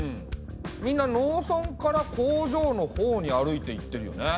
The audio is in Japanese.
みんな農村から工場のほうに歩いていってるよね。